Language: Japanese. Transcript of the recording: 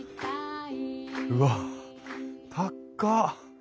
うわっ高っ。